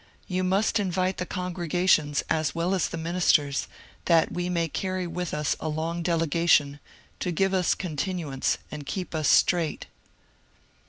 You must invite the congregations as well as the ministers, that we may carry with us a long delegation, to give us continuance and keep us straight.